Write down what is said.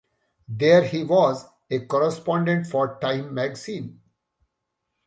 There he was a correspondent for "Time" magazine.